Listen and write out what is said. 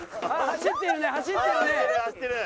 走ってる走ってる。